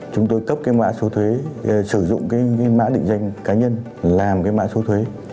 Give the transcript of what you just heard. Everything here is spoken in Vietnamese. chúng tôi cấp cái mã số thuế sử dụng cái mã định danh cá nhân làm cái mã số thuế